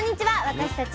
私たち